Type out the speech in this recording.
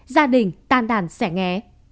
gia đình tan đàn sẻ ngé